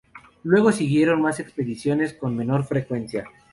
Luego, siguieron mas expediciones con menor frecuencia.